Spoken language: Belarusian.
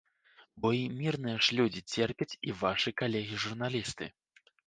Бо і мірныя ж людзі церпяць і вашы калегі-журналісты.